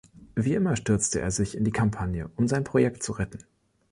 Wie immer stürzte er sich in die Kampagne, um sein Projekt zu retten.